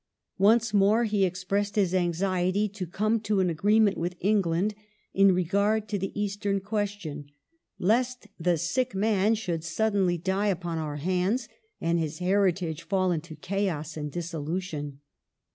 Once more he expressed his anxiety to come to an agreement with England in regard to the Eastern question, " lest the sick man should suddenly die upon our hands, and his heritage fall into chaos and dissolution